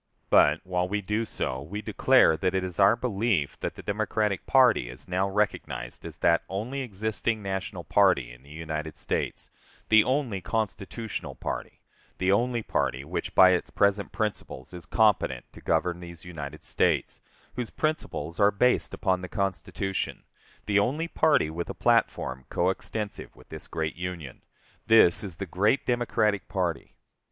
But, while we do so, we declare that it is our belief that the Democratic party is now recognized as that only existing national party in the United States the only constitutional party the only party which by its present principles is competent to govern these United States, whose principles are based upon the Constitution the only party with a platform coextensive with this great Union this is the great Democratic party.